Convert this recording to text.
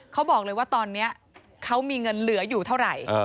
เขาบอกเลยว่าตอนนี้เขามีเงินเหลืออยู่เท่าไหร่